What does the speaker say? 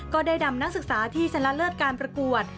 ก็ได้นำนักศึกษาที่ชนะเลิศการประกวด